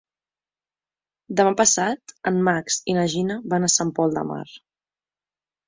Demà passat en Max i na Gina van a Sant Pol de Mar.